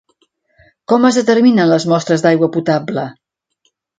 Com es determinen les mostres d'aigua potable?